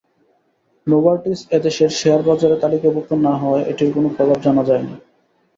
Novartis এ দেশের শেয়ারবাজারে তালিকাভুক্ত না হওয়ায় এটির কোনো প্রভাব জানা যায়নি।